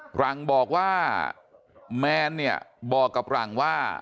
หลังบอกว่าแมนเนี่ยบอกกับหลังว่า